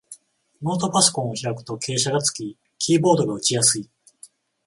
ノートパソコンを開くと傾斜がつき、キーボードが打ちやすい